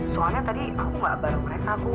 soalnya tadi aku gak baru mereka